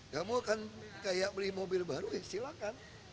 kamu akan kayak beli mobil baru ya silakan